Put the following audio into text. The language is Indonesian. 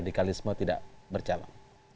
radikalisme tidak berjalan